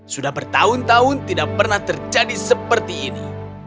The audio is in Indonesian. sudah bertahun tahun tidak pernah terjadi seperti ini